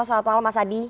selamat malam mas adi